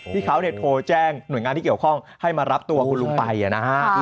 ที่เขาโทรแจ้งหน่วยงานที่เกี่ยวข้องให้มารับตัวคุณลุงไปนะฮะ